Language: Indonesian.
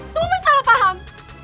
semua masalah paham